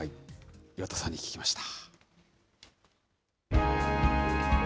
岩田さんに聞きました。